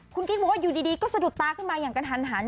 คุณกิ๊กบอกว่าอยู่ดีก็สะดุดตาขึ้นมาอย่างกระทันหัน